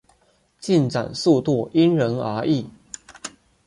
进展速度因人而异。